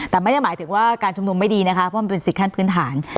แต่ไม่ได้หมายถึงว่าการชุมนุมไม่ดีนะคะเพราะมันเป็นสิทธิขั้นพื้นฐาน